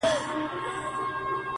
د قدرت پر دښمنانو کړي مور بوره،